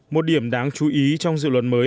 một điểm đáng chú ý trong dự luật mới